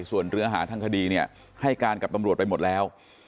ส่วนเนื้อหาทางคดีเนี่ยให้การกับตำรวจไปหมดแล้ว